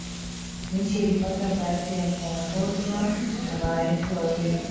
Nchi ilipata bahati ya kuongozwa na marais wawili